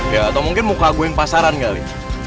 ya atau mungkin muka gua yang pasaran kali